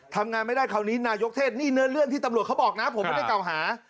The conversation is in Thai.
ทำงานไม่ได้คราวนี้นายกเทศนี่เนื้อเรื่องที่ตำรวจเขาบอกนะผมไม่ได้เก่าหา